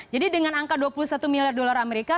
jadi dengan angka dua puluh satu miliar dolar amerika